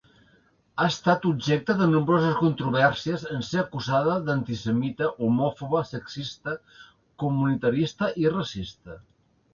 Ha estat objecte de nombroses controvèrsies en ser acusada d'antisemita, homòfoba, sexista, comunitarista i racista.